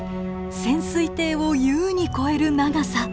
潜水艇を優に超える長さ。